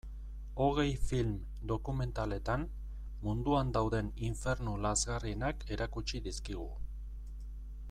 Hogei film dokumentaletan munduan dauden infernu lazgarrienak erakutsi dizkigu.